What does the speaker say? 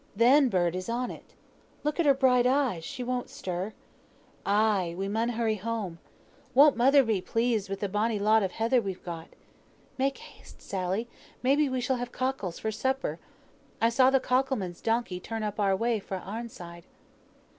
Th' hen bird is on it. Look at her bright eyes, she won't stir! Ay! we mun hurry home. Won't mother be pleased with the bonny lot of heather we've got! Make haste, Sally, may be we shall have cockles for supper. I saw th' cockle man's donkey turn up our way fra' Arnside."